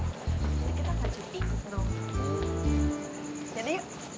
kita gak jepit dong